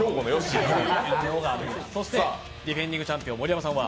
ディフェンディングチャンピオンの盛山さんは？